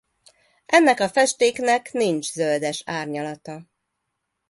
Ennek a festéknek nincs zöldes árnyalata.